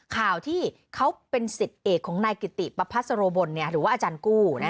ข่าวที่เขาเป็นสิทธิ์เอกของนายกิติประพัสโรบลหรือว่าอาจารย์กู้